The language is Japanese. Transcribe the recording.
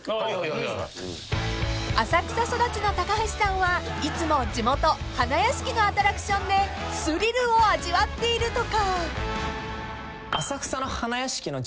［浅草育ちの高橋さんはいつも地元花やしきのアトラクションでスリルを味わっているとか］